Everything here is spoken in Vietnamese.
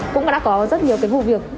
cũng đã có rất nhiều vụ việc